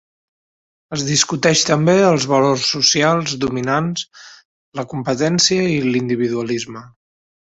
Es discuteix també els valors socials dominants, la competència i l'individualisme.